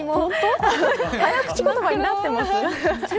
早口言葉になってます。